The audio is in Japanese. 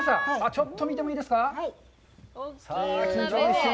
ちょっと見てもいいですか。